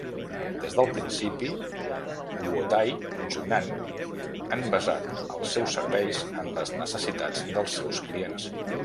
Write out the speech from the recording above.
Des del principi, Guotai Junan han basat els seus serveis en les necessitats dels seus clients.